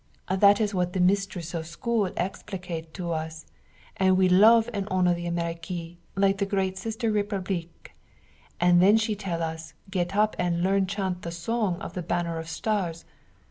That is what the mistress of school explicate to us, and we love and honor the Amerique like the great sister Republique, and then she tell us get up and learn chant the song of the Banner of Stars.